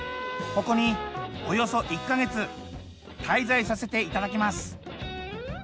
ここにおよそ１か月滞在させていただきます。